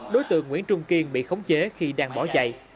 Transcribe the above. đối tượng nguyễn trung kiên bị khống chế khi đang bỏ chạy